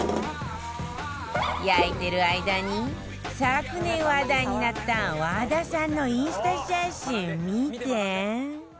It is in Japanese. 焼いてる間に昨年話題になった和田さんのインスタ写真見て